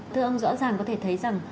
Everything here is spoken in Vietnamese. thưa ông rõ ràng có thể thấy rằng